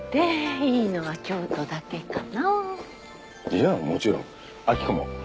いやもちろん明子も。